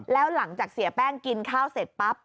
แล้วหลังจากเสียแป้งกินข้าวเสร็จปั๊บ